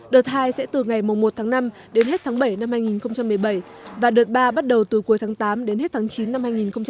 đợt hai sẽ từ ngày một tháng năm đến hết tháng bảy năm hai nghìn một mươi bảy và đợt ba bắt đầu từ cuối tháng tám đến hết tháng chín năm hai nghìn một mươi chín